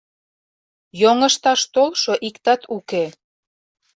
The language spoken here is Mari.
Йоҥышташ толшо иктат уке.